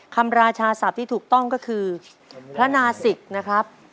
ราชาศัพท์ที่ถูกต้องก็คือพระนาศิกนะครับ